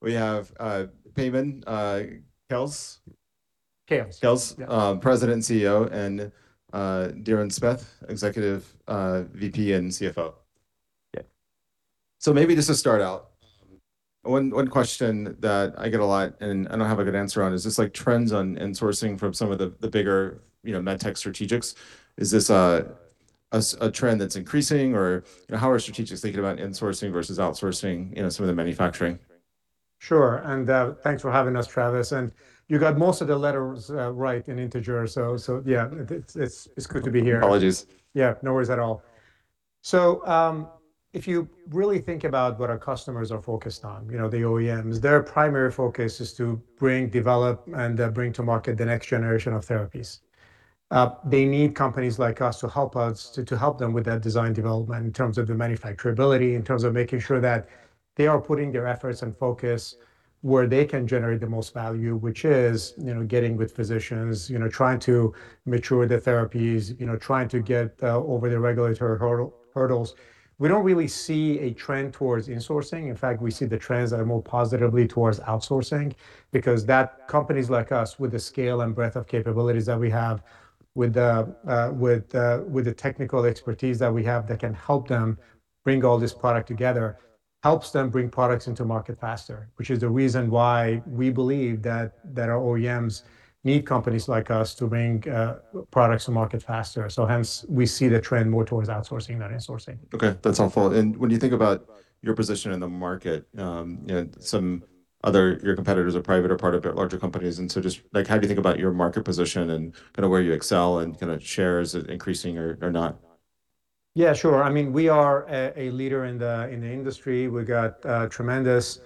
We have Payman Khales. Khales. Khales, President and CEO, and Diron Smith, Executive VP and CFO. Yeah. Maybe just to start out, one question that I get a lot and I don't have a good answer on, is this, like, trends on insourcing from some of the bigger, you know, med tech strategics. Is this a trend that's increasing? How are strategics thinking about insourcing versus outsourcing, you know, some of the manufacturing? Sure. Thanks for having us, Travis. You got most of the letters right in Integer. Yeah, it's good to be here. Apologies. Yeah, no worries at all. If you really think about what our customers are focused on, you know, the OEMs, their primary focus is to bring, develop and bring to market the next generation of therapies. They need companies like us to help them with that design development in terms of the manufacturability, in terms of making sure that they are putting their efforts and focus where they can generate the most value, which is, you know, getting with physicians, you know, trying to mature the therapies, you know, trying to get over the regulatory hurdles. We don't really see a trend towards insourcing. In fact, we see the trends that are more positively towards outsourcing because companies like us with the scale and breadth of capabilities that we have with the technical expertise that we have that can help them bring all this product together, helps them bring products into market faster, which is the reason why we believe that our OEMs need companies like us to bring products to market faster. Hence we see the trend more towards outsourcing than insourcing. Okay, that's helpful. When you think about your position in the market, you know, your competitors are private or part of larger companies, and so just, like, how do you think about your market position and kind of where you excel, and kind of share, is it increasing or not? Sure. I mean, we are a leader in the industry. We've got tremendous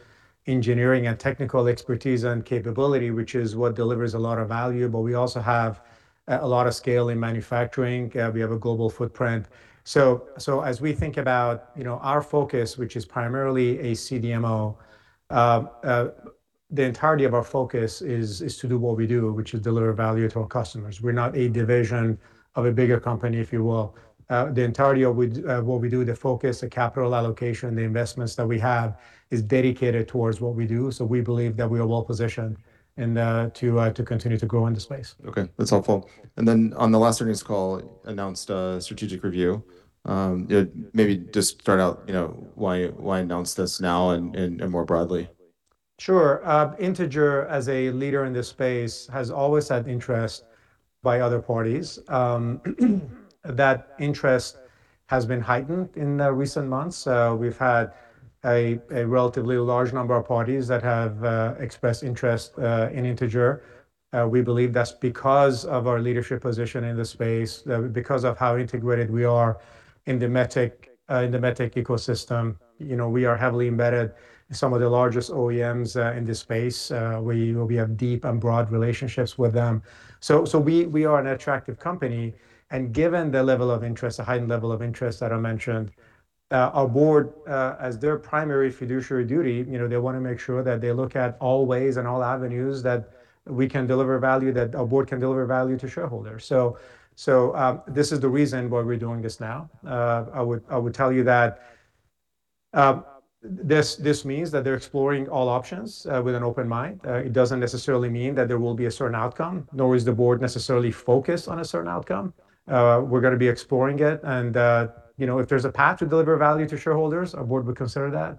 engineering and technical expertise and capability, which is what delivers a lot of value. We also have a lot of scale in manufacturing. We have a global footprint. As we think about, you know, our focus, which is primarily a CDMO, the entirety of our focus is to do what we do, which is deliver value to our customers. We're not a division of a bigger company, if you will. The entirety of what we do, the focus, the capital allocation, the investments that we have is dedicated towards what we do. We believe that we are well positioned and to continue to grow in the space. Okay, that's helpful. Then on the last earnings call, announced a strategic review. Yeah, maybe just start out, you know, why announce this now and more broadly? Sure. Integer as a leader in this space has always had interest by other parties. That interest has been heightened in recent months. We've had a relatively large number of parties that have expressed interest in Integer. We believe that's because of our leadership position in the space, because of how integrated we are in the med tech in the med tech ecosystem. You know, we are heavily embedded in some of the largest OEMs in this space. We have deep and broad relationships with them. We are an attractive company, and given the level of interest, the heightened level of interest that I mentioned, our board, as their primary fiduciary duty, you know, they wanna make sure that they look at all ways and all avenues that we can deliver value, that our board can deliver value to shareholders. This is the reason why we're doing this now. I would tell you that this means that they're exploring all options with an open mind. It doesn't necessarily mean that there will be a certain outcome, nor is the board necessarily focused on a certain outcome. We're gonna be exploring it and, you know, if there's a path to deliver value to shareholders, our board would consider that.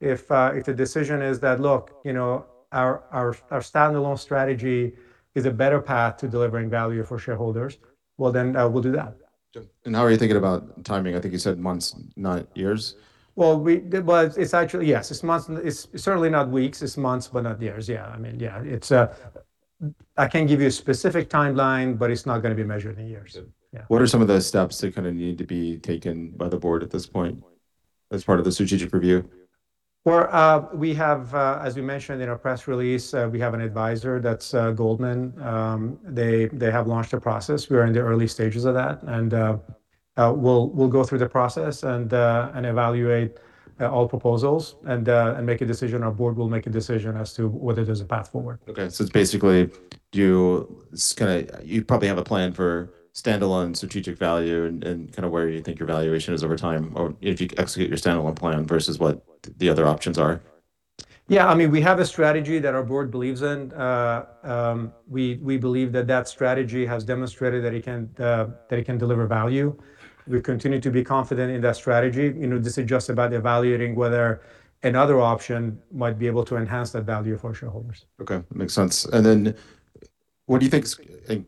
If the decision is that, look, you know, our standalone strategy is a better path to delivering value for shareholders, well, then, we'll do that. How are you thinking about timing? I think you said months, not years. Well, Yes, it's months. It's certainly not weeks, it's months, but not years. Yeah. I mean, yeah, it's, I can't give you a specific timeline, but it's not gonna be measured in years. Yeah. What are some of the steps that kind of need to be taken by the board at this point as part of the strategic review? Well, we have, as we mentioned in our press release, we have an advisor that's Goldman. They have launched a process. We are in the early stages of that and we'll go through the process and evaluate all proposals and make a decision. Our board will make a decision as to whether there's a path forward. You probably have a plan for standalone strategic value and kind of where you think your valuation is over time, or if you execute your standalone plan versus what the other options are. Yeah. I mean, we have a strategy that our board believes in. We believe that that strategy has demonstrated that it can deliver value. We continue to be confident in that strategy. You know, this is just about evaluating whether another option might be able to enhance that value for shareholders. Okay. Makes sense. What do you think's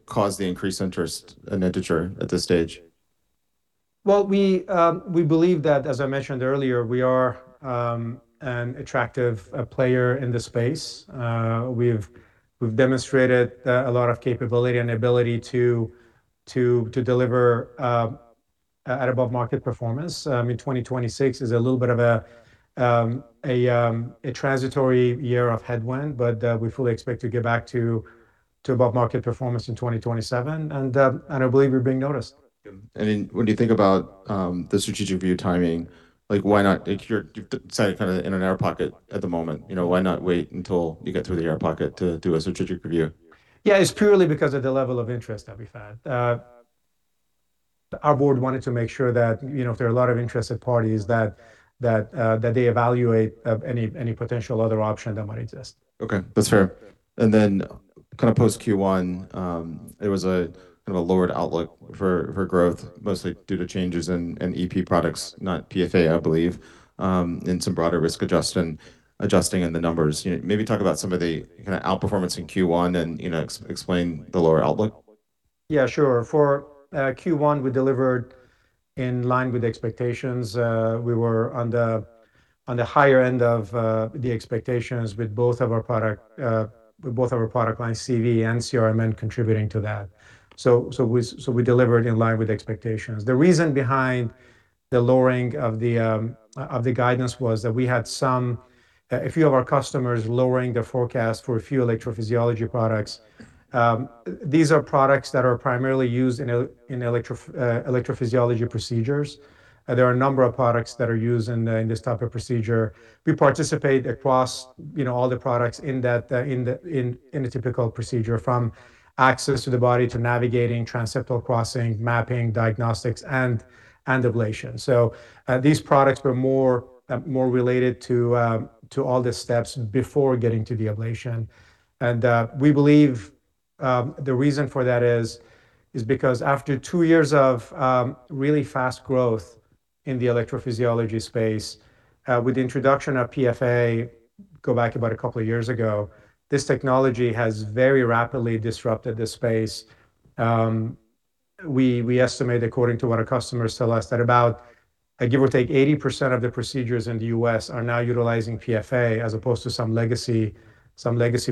caused the increased interest in Integer at this stage? Well, we believe that, as I mentioned earlier, we are an attractive player in this space. We've demonstrated a lot of capability and ability to deliver at above market performance. In 2026 is a little bit of a transitory year of headwind, but we fully expect to get back to above market performance in 2027 and I believe we're being noticed. When you think about, the strategic view timing, like why not? You've decided kind of in an air pocket at the moment, you know, why not wait until you get through the air pocket to do a strategic review? Yeah, it's purely because of the level of interest that we've had. Our board wanted to make sure that, you know, if there are a lot of interested parties, that they evaluate any potential other option that might exist. Okay, that's fair. Kinda post Q1, it was a kind of a lowered outlook for growth, mostly due to changes in EP products, not PFA, I believe, and some broader risk adjusting in the numbers. You know, maybe talk about some of the kinda outperformance in Q1 and, you know, explain the lower outlook. Sure. For Q1, we delivered in line with expectations. We were on the higher end of the expectations with both of our product lines, CV and CR, I mean, contributing to that. We delivered in line with expectations. The reason behind the lowering of the guidance was that we had a few of our customers lowering their forecast for a few electrophysiology products. These are products that are primarily used in electrophysiology procedures. There are a number of products that are used in this type of procedure. We participate across, you know, all the products in that in a typical procedure, from access to the body to navigating, transseptal crossing, mapping, diagnostics, and ablation. These products were more related to all the steps before getting to the ablation. We believe the reason for that is because after two years of really fast growth in the electrophysiology space, with the introduction of PFA, go back about a couple of years ago, this technology has very rapidly disrupted this space. We estimate according to what our customers tell us that about, give or take, 80% of the procedures in the U.S. are now utilizing PFA as opposed to some legacy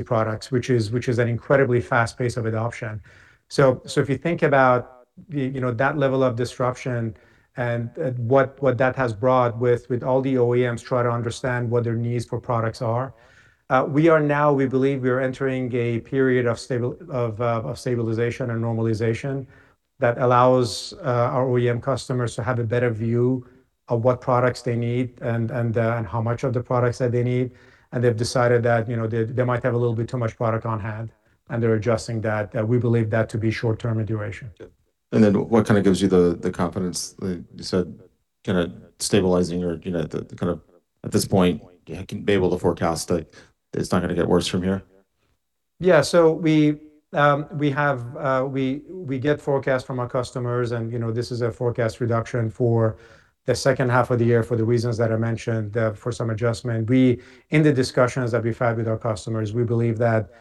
products, which is an incredibly fast pace of adoption. If you think about the, you know, that level of disruption and what that has brought with all the OEMs try to understand what their needs for products are. We are now, we believe we are entering a period of stabilization and normalization that allows our OEM customers to have a better view of what products they need and how much of the products that they need. They've decided that, you know, they might have a little bit too much product on hand, and they're adjusting that. We believe that to be short-term in duration. Yeah. Then what kinda gives you the confidence that you said kinda stabilizing or, you know, the kind of, at this point, you can be able to forecast that it's not gonna get worse from here? We get forecasts from our customers and, you know, this is a forecast reduction for the second half of the year for the reasons that I mentioned for some adjustment. In the discussions that we've had with our customers, we believe that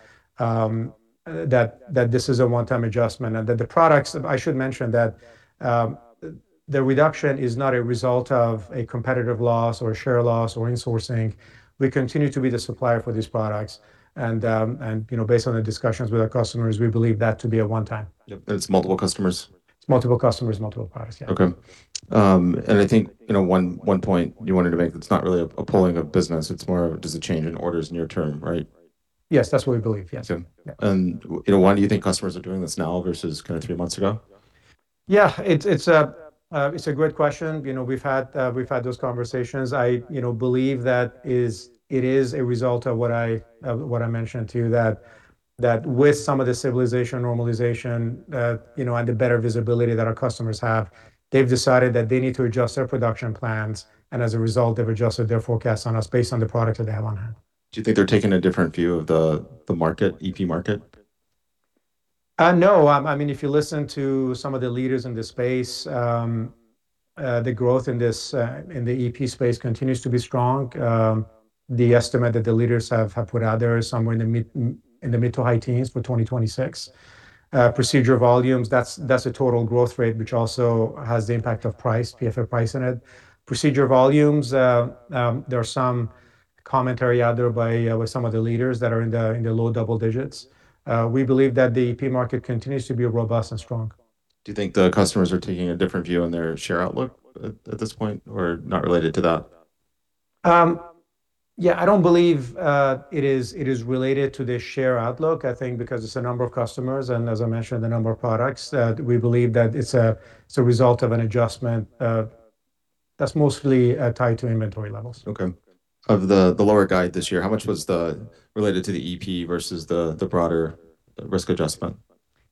this is a one-time adjustment. I should mention that the reduction is not a result of a competitive loss or a share loss or insourcing. We continue to be the supplier for these products and, you know, based on the discussions with our customers, we believe that to be a one-time. Yep. It's multiple customers? It's multiple customers, multiple products, yeah. Okay. I think, you know, one point you wanted to make, it's not really a pulling of business, it's more of just a change in orders near term, right? Yes. That's what we believe. Yes. You know, why do you think customers are doing this now versus kind of 3 months ago? Yeah. It's a great question. You know, we've had those conversations. I, you know, believe it is a result of what I mentioned to you, that with some of the stabilization and normalization, you know, and the better visibility that our customers have, they've decided that they need to adjust their production plans, and as a result, they've adjusted their forecasts on us based on the products that they have on hand. Do you think they're taking a different view of the market, EP market? No. I mean, if you listen to some of the leaders in this space, the growth in this, in the EP space continues to be strong. The estimate that the leaders have put out there is somewhere in the mid to high teens for 2026. Procedure volumes, that's the total growth rate, which also has the impact of price, PFA price in it. Procedure volumes, there are some commentary out there by with some of the leaders that are in the low double digits. We believe that the EP market continues to be robust and strong. Do you think the customers are taking a different view on their share outlook at this point, or not related to that? Yeah, I don't believe it is related to the share outlook, I think because it's a number of customers and, as I mentioned, the number of products. We believe that it's a result of an adjustment that's mostly tied to inventory levels. Okay. Of the lower guide this year, how much was the related to the EP versus the broader risk adjustment?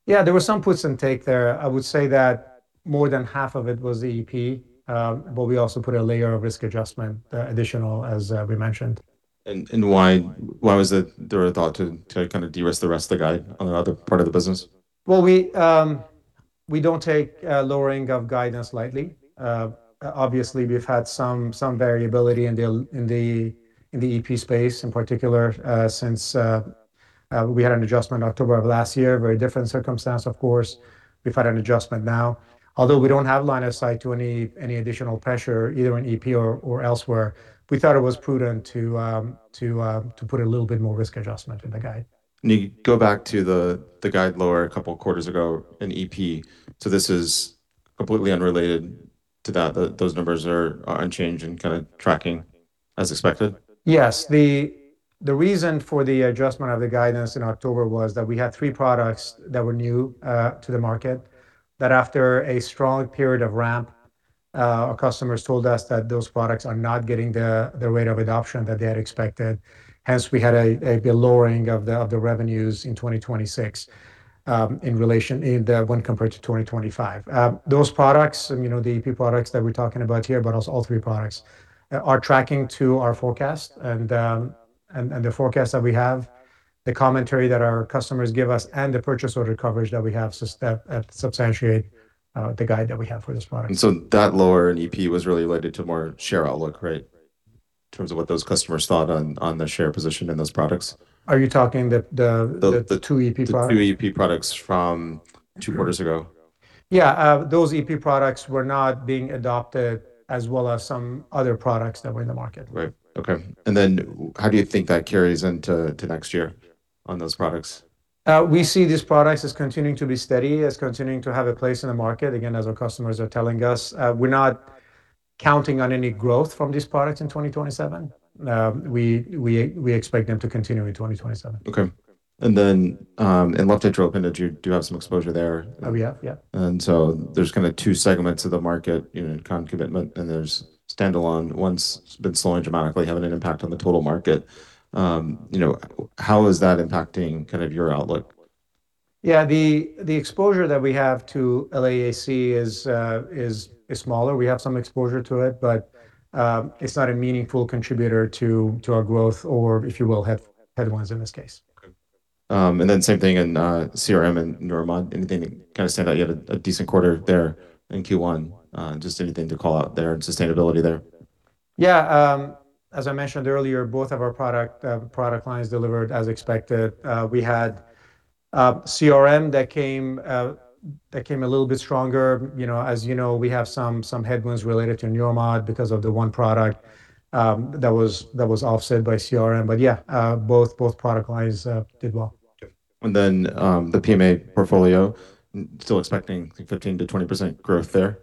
There was some puts and take there. I would say that more than half of it was the EP, but we also put a layer of risk adjustment additional as we mentioned. Why was there the thought to kinda de-risk the rest of the guide on the other part of the business? We don't take lowering of guidance lightly. Obviously we've had some variability in the EP space, in particular, since we had an adjustment October of last year. Very different circumstance, of course. We've had an adjustment now. We don't have line of sight to any additional pressure, either in EP or elsewhere, we thought it was prudent to put a little bit more risk adjustment in the guide. You go back to the guide lower a couple quarters ago in EP. This is completely unrelated to that? Those numbers are unchanged and kinda tracking as expected? Yes. The reason for the adjustment of the guidance in October was that we had three products that were new to the market, that after a strong period of ramp, our customers told us that those products are not getting the rate of adoption that they had expected. Hence, we had a lowering of the revenues in 2026 when compared to 2025. Those products and, you know, the EP products that we're talking about here, but also all three products, are tracking to our forecast and the forecast that we have, the commentary that our customers give us and the purchase order coverage that we have substantiate the guide that we have for this product. That lower in EP was really related to more share outlook, right? In terms of what those customers thought on the share position in those products. Are you talking the two EP products? The two EP products from two quarters ago. Yeah. Those EP products were not being adopted as well as some other products that were in the market. Right. Okay. How do you think that carries into, to next year on those products? We see these products as continuing to be steady, as continuing to have a place in the market. Again, as our customers are telling us, we're not counting on any growth from these products in 2027. We expect them to continue in 2027. Okay. In left atrial appendage, you do have some exposure there. Oh, yeah. Yeah. There's kind of two segments of the market, you know, concomitant, and there's standalone. One's been slowing dramatically, having an impact on the total market. You know, how is that impacting kind of your outlook? The exposure that we have to LAAC is smaller. We have some exposure to it, but it's not a meaningful contributor to our growth or, if you will, headwinds in this case. Okay. Same thing in CRM and Neuromodulation. Anything that kind of stand out? You had a decent quarter there in Q1. Just anything to call out there in sustainability there? Yeah. As I mentioned earlier, both of our product lines delivered as expected. We had CRM that came a little bit stronger. You know, as you know, we have some headwinds related to Neuromodulation because of the one product, that was offset by CRM. Yeah, both product lines did well. The PMA portfolio, still expecting 15%-20% growth there?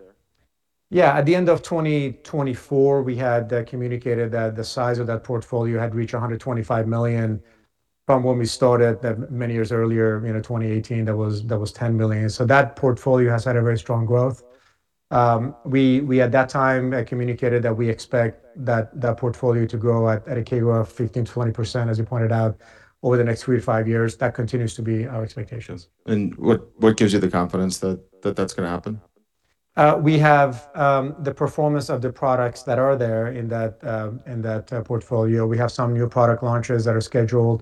At the end of 2024, we had communicated that the size of that portfolio had reached $125 million. From when we started that many years earlier, you know, 2018, that was $10 million. That portfolio has had a very strong growth. We at that time had communicated that we expect that portfolio to grow at a CAGR of 15%-20%, as you pointed out, over the next three, five years. That continues to be our expectations. What gives you the confidence that that's gonna happen? We have the performance of the products that are there in that portfolio. We have some new product launches that are scheduled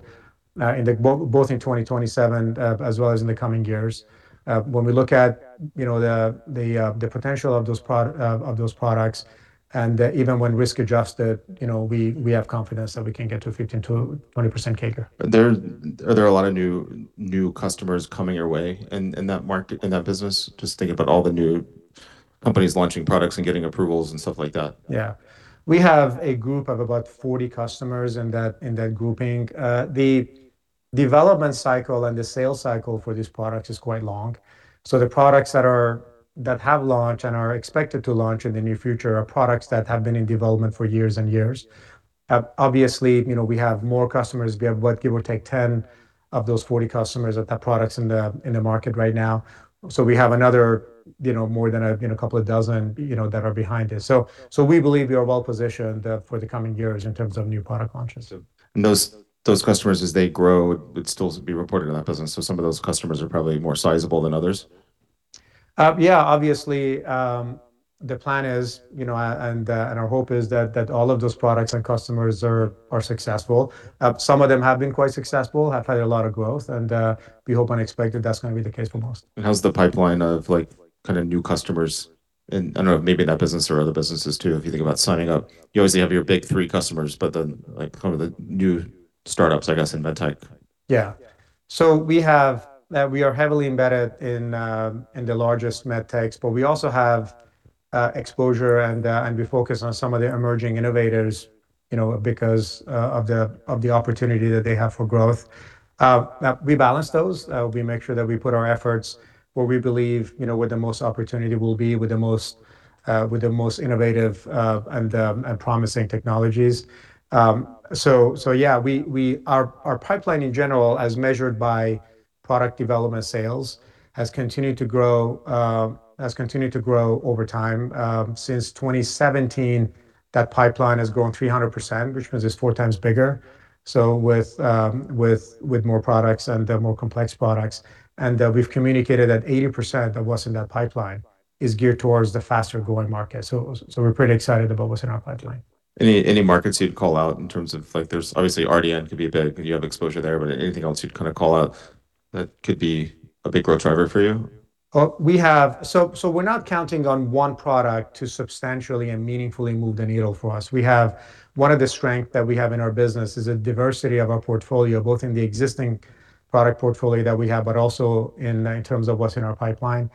both in 2027, as well as in the coming years. When we look at, you know, the potential of those products, and even when risk-adjusted, you know, we have confidence that we can get to 15%-20% CAGR. Are there a lot of new customers coming your way in that market, in that business? Just thinking about all the new companies launching products and getting approvals and stuff like that. Yeah. We have a group of about 40 customers in that, in that grouping. The development cycle and the sales cycle for this product is quite long. The products that have launched and are expected to launch in the near future are products that have been in development for years and years. Obviously, you know, we have more customers. We have what give or take 10 of those 40 customers that have products in the, in the market right now. We have another, you know, more than a, you know, couple of dozen, you know, that are behind it. We believe we are well-positioned for the coming years in terms of new product launches. Those customers, as they grow, would still be reported in that business. Some of those customers are probably more sizable than others? Yeah. Obviously, the plan is, you know, and our hope is that all of those products and customers are successful. Some of them have been quite successful, have had a lot of growth, and we hope and expect that that's gonna be the case for most. How's the pipeline of like kind of new customers? I don't know, maybe in that business or other businesses too, if you think about signing up, you obviously have your big three customers, but then like kind of the new startups, I guess, in med tech. Yeah. We are heavily embedded in the largest med techs, but we also have exposure and we focus on some of the emerging innovators, you know, because of the opportunity that they have for growth. We balance those. We make sure that we put our efforts where we believe, you know, where the most opportunity will be, with the most innovative and promising technologies. Yeah, our pipeline in general, as measured by product development sales, has continued to grow over time. Since 2017, that pipeline has grown 300%, which means it's four times bigger. With more products and the more complex products, we've communicated that 80% of what's in that pipeline is geared towards the faster-growing market. We're pretty excited about what's in our pipeline. Any markets you'd call out in terms of like there's obviously RDN could be a big, you have exposure there, anything else you'd kind of call out that could be a big growth driver for you? We're not counting on one product to substantially and meaningfully move the needle for us. One of the strength that we have in our business is a diversity of our portfolio, both in the existing product portfolio that we have, but also in terms of what's in our pipeline.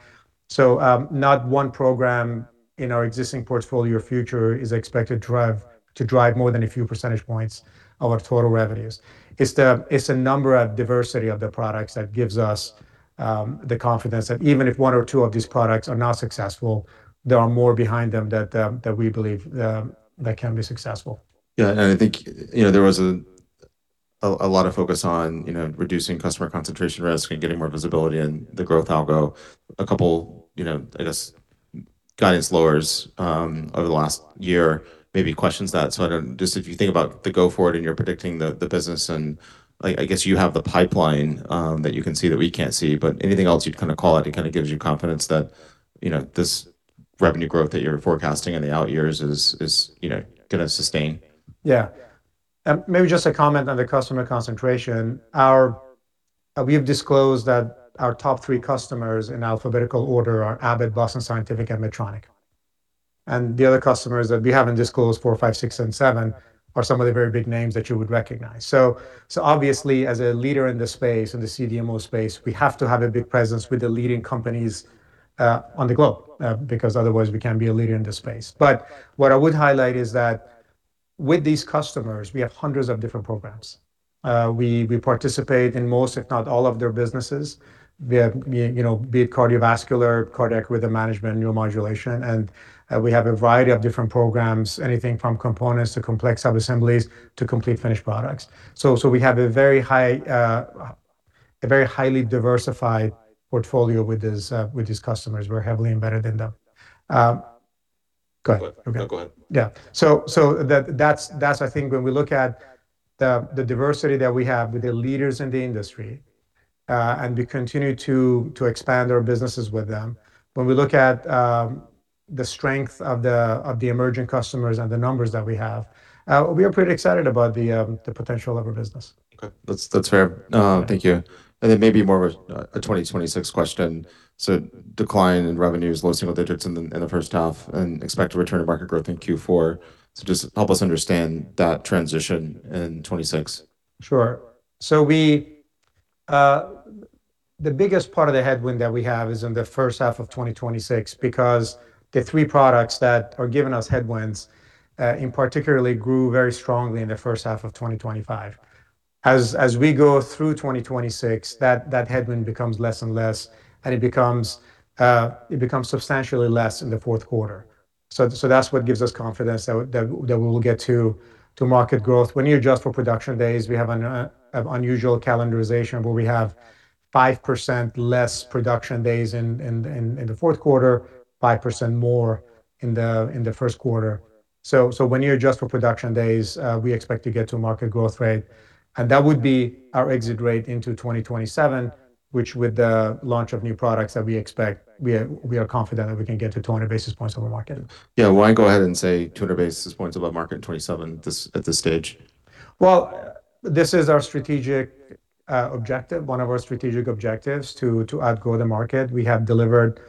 Not one program in our existing portfolio future is expected to drive more than a few percentage points of our total revenues. It's the number of diversity of the products that gives us the confidence that even if one or two of these products are not successful, there are more behind them that we believe that can be successful. Yeah. I think, you know, there was a lot of focus on, you know, reducing customer concentration risk and getting more visibility in the growth algo. A couple, you know, I guess, guidance lowers over the last year maybe questions that. I don't. Just if you think about the go forward and you're predicting the business and, like, I guess you have the pipeline that you can see that we can't see. Anything else you'd kinda call out that kinda gives you confidence that, you know, this revenue growth that you're forecasting in the out years is, you know, gonna sustain? Maybe just a comment on the customer concentration. Our, we have disclosed that our top three customers in alphabetical order are Abbott, Boston Scientific and Medtronic. The other customers that we haven't disclosed, four, five, six and seven, are some of the very big names that you would recognize. Obviously, as a leader in this space, in the CDMO space, we have to have a big presence with the leading companies on the globe because otherwise we can't be a leader in this space. What I would highlight is that with these customers, we have hundreds of different programs. We participate in most, if not all, of their businesses. We have, you know, be it cardiovascular, cardiac rhythm management, neuromodulation, and we have a variety of different programs, anything from components to complex sub-assemblies to complete finished products. We have a very high, a very highly diversified portfolio with these customers. We're heavily embedded in them. Go ahead. Go ahead. No, go ahead. Yeah. That's I think when we look at the diversity that we have with the leaders in the industry, and we continue to expand our businesses with them, when we look at the strength of the emerging customers and the numbers that we have, we are pretty excited about the potential of our business. Okay. That's fair. Thank you. Maybe more of a 2026 question. Decline in revenues, low single digits in the first half and expect to return to market growth in Q4. Just help us understand that transition in 2026. Sure. The biggest part of the headwind that we have is in the first half of 2026, because the three products that are giving us headwinds, in particular, grew very strongly in the first half of 2025. As we go through 2026, that headwind becomes less and less, and it becomes substantially less in the fourth quarter. That's what gives us confidence that we will get to market growth. When you adjust for production days, we have an unusual calendarization where we have 5% less production days in the fourth quarter, 5% more in the first quarter. When you adjust for production days, we expect to get to market growth rate, and that would be our exit rate into 2027, which with the launch of new products that we expect, we are confident that we can get to 200 basis points over market. Yeah. Why go ahead and say 200 basis points above market in 2027 this, at this stage? Well, this is our strategic objective, one of our strategic objectives to outgrow the market. We have delivered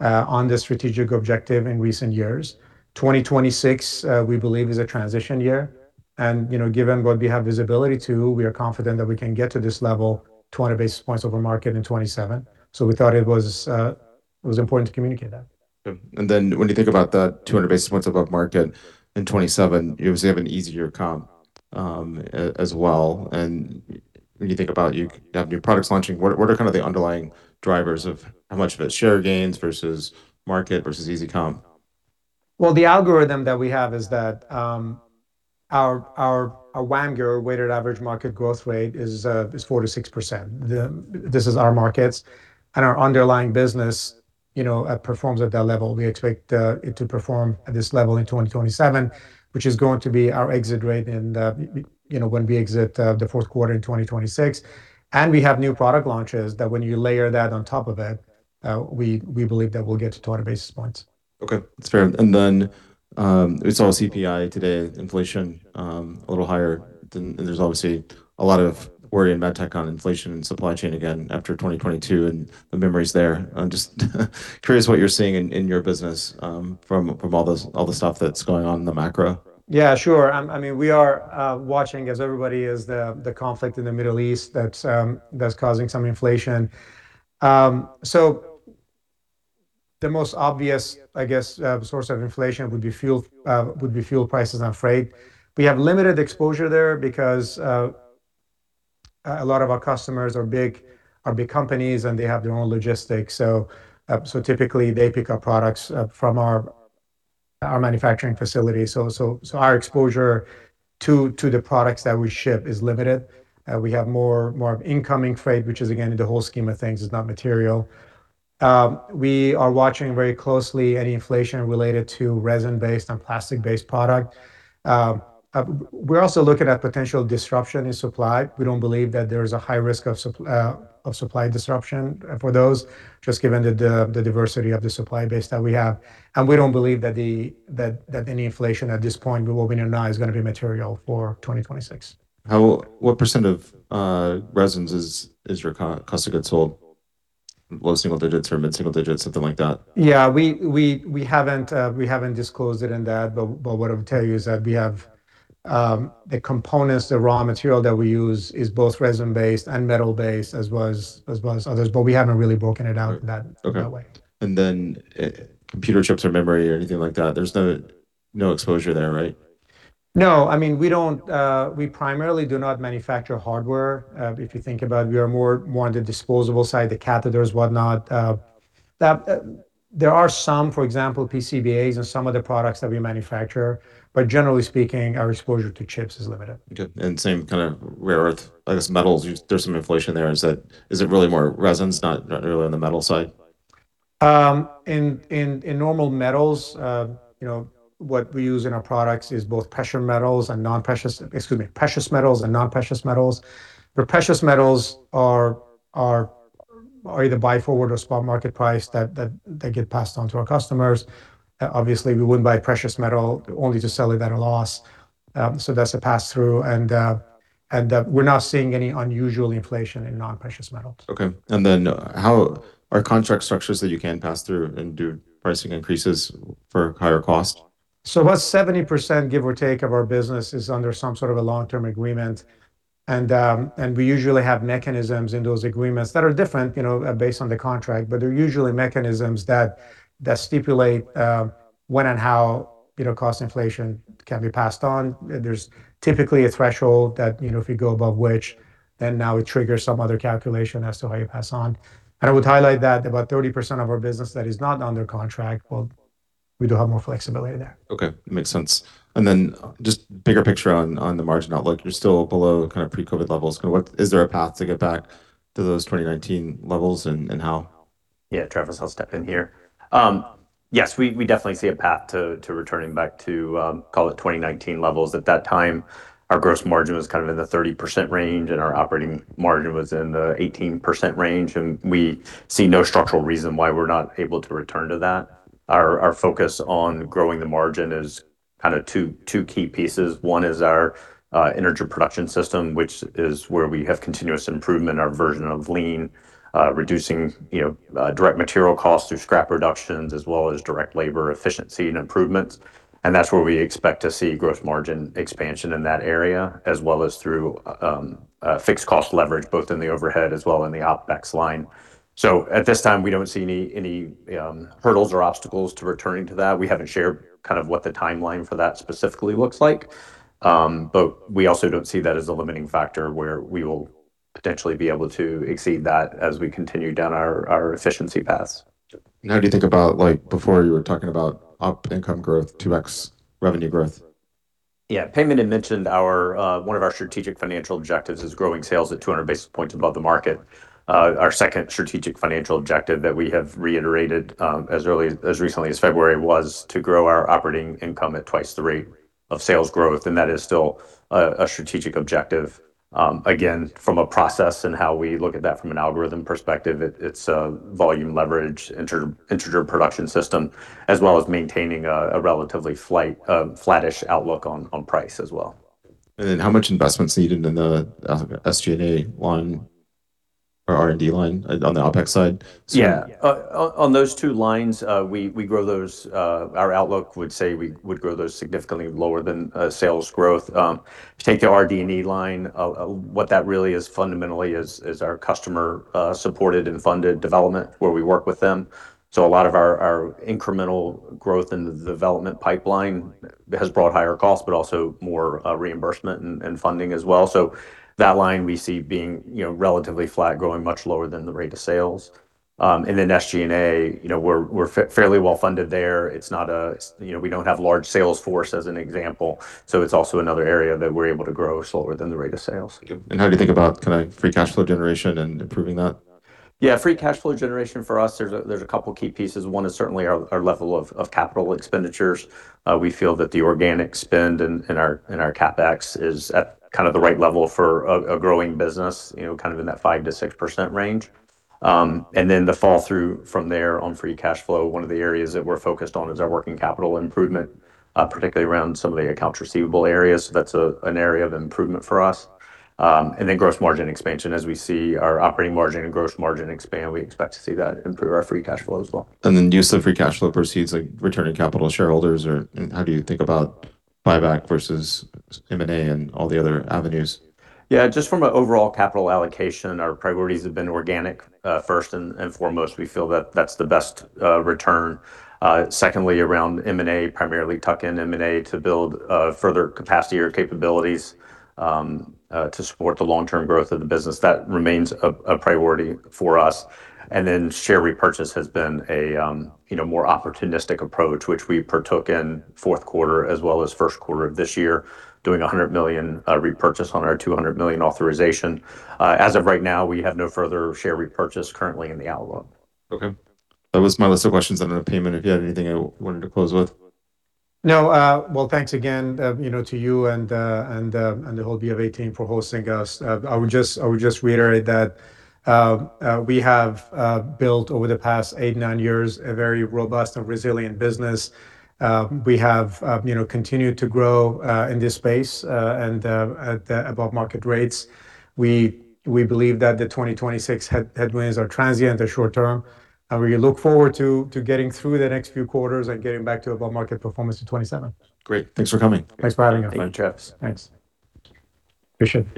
on this strategic objective in recent years. 2026, we believe is a transition year. You know, given what we have visibility to, we are confident that we can get to this level, 200 basis points over market in 2027. We thought it was important to communicate that. Yeah. When you think about that 200 basis points above market in 2027, you obviously have an easier comp as well. When you think about you have new products launching, what are kind of the underlying drivers of how much of it's share gains versus market versus easy comp? Well, the algorithm that we have is that our WAMGR, weighted average market growth rate, is 4%-6%. This is our markets and our underlying business, you know, performs at that level. We expect it to perform at this level in 2027, which is going to be our exit rate in the, you know, when we exit the fourth quarter in 2026. We have new product launches that when you layer that on top of it, we believe that we'll get to 200 basis points. Okay. That's fair. We saw CPI today, inflation. There's obviously a lot of worry in med tech on inflation and supply chain again after 2022, and the memory's there. I'm just curious what you're seeing in your business from all the stuff that's going on in the macro. Sure. I mean, we are watching, as everybody is, the conflict in the Middle East that's causing some inflation. The most obvious, I guess, source of inflation would be fuel prices and freight. We have limited exposure there because a lot of our customers are big companies, and they have their own logistics. Typically, they pick up products from our manufacturing facility. Our exposure to the products that we ship is limited. We have more incoming freight, which is again, in the whole scheme of things, is not material. We are watching very closely any inflation related to resin-based and plastic-based product. We're also looking at potential disruption in supply. We don't believe that there is a high risk of supply disruption for those, just given the diversity of the supply base that we have. We don't believe that any inflation at this point we will bring in now is gonna be material for 2026. What percent of resins is your cost of goods sold? Low single digits or mid-single digits, something like that? Yeah. We haven't disclosed it in that. What I would tell you is that we have the components. The raw material that we use is both resin-based and metal-based, as well as others. We haven't really broken it out in that way. Okay. Then computer chips or memory or anything like that, there's no exposure there, right? No. I mean, we don't, we primarily do not manufacture hardware. If you think about it, we are more on the disposable side, the catheters, whatnot, That, there are some, for example, PCBAs and some of the products that we manufacture, but generally speaking, our exposure to chips is limited. Okay. Same kind of rare earth, I guess, metals, there's some inflation there. Is it really more resins, not really on the metal side? In normal metals, you know, what we use in our products is both precious metals and non-precious metals, where precious metals are either by forward or spot market price that they get passed on to our customers. Obviously we wouldn't buy precious metal only to sell it at a loss. That's a pass-through and we're not seeing any unusual inflation in non-precious metals. Okay. Then how are contract structures that you can pass through and do pricing increases for higher cost? About 70%, give or take, of our business is under some sort of a long-term agreement. We usually have mechanisms in those agreements that are different, you know, based on the contract, but they're usually mechanisms that stipulate, when and how, you know, cost inflation can be passed on. There's typically a threshold that, you know, if you go above which, then now it triggers some other calculation as to how you pass on. I would highlight that about 30% of our business that is not under contract, well, we do have more flexibility there. Okay. Makes sense. Then just bigger picture on the margin outlook, you're still below kind of pre-COVID levels. Is there a path to get back to those 2019 levels and how? Yeah, Travis, I'll step in here. Yes, we definitely see a path to returning back to call it 2019 levels. At that time, our gross margin was kind of in the 30% range, and our operating margin was in the 18% range. We see no structural reason why we're not able to return to that. Our focus on growing the margin is kind of two key pieces. One is our Integer Production System, which is where we have continuous improvement, our version of lean, reducing, you know, direct material costs through scrap reductions as well as direct labor efficiency and improvements. That's where we expect to see gross margin expansion in that area, as well as through fixed cost leverage, both in the overhead as well in the OpEx line. At this time, we don't see any hurdles or obstacles to returning to that. We haven't shared kind of what the timeline for that specifically looks like. We also don't see that as a limiting factor where we will potentially be able to exceed that as we continue down our efficiency paths. How do you think about like before you were talking about op income growth, 2x revenue growth? Yeah. Payman had mentioned our, one of our strategic financial objectives is growing sales at 200 basis points above the market. Our second strategic financial objective that we have reiterated, as recently as February was to grow our operating income at twice the rate of sales growth, and that is still a strategic objective. Again, from a process and how we look at that from an algorithm perspective, it's a volume leverage Integer Production System, as well as maintaining a relatively flattish outlook on price as well. How much investment's needed in the SG&A line or R&D line on the OpEx side? On those two lines, we grow those, our outlook would say we would grow those significantly lower than sales growth. If you take the RD&E line, what that really is fundamentally is our customer supported and funded development where we work with them. A lot of our incremental growth in the development pipeline has brought higher costs, but also more reimbursement and funding as well. That line we see being, you know, relatively flat, growing much lower than the rate of sales. SG&A, you know, we're fairly well-funded there. It's not a, you know, we don't have large sales force as an example. It's also another area that we're able to grow slower than the rate of sales. How do you think about kinda free cash flow generation and improving that? Free cash flow generation for us, there's a couple key pieces. One is certainly our level of capital expenditures. We feel that the organic spend in our CapEx is at kind of the right level for a growing business, you know, kind of in that 5%-6% range. The fall through from there on free cash flow, one of the areas that we're focused on is our working capital improvement, particularly around some of the accounts receivable areas. That's an area of improvement for us. Gross margin expansion. As we see our operating margin and gross margin expand, we expect to see that improve our free cash flow as well. Use of free cash flow proceeds, like returning capital to shareholders or how do you think about buyback versus M&A and all the other avenues? Yeah, just from an overall capital allocation, our priorities have been organic, first and foremost. We feel that that's the best return. Secondly, around M&A, primarily tuck-in M&A to build further capacity or capabilities to support the long-term growth of the business. That remains a priority for us. Share repurchase has been a, you know, more opportunistic approach, which we partook in 4th quarter as well as 1st quarter of this year, doing a $100 million repurchase on our $200 million authorization. As of right now, we have no further share repurchase currently in the outlook. Okay. That was my list of questions. I don't know, Payman, if you had anything you wanted to close with. No. Well, thanks again, you know, to you and the whole Bank of America team for hosting us. I would just reiterate that we have built over the past eight, nine years a very robust and resilient business. We have, you know, continued to grow in this space and at above market rates. We believe that the 2026 headwinds are transient, they're short-term. We look forward to getting through the next few quarters and getting back to above market performance in 2027. Great. Thanks for coming. Thanks for having us. Thank you, Travis. Thanks. Appreciate it.